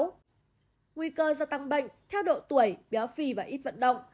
nguy cơ gia tăng bệnh theo độ tuổi béo phi và ít vận động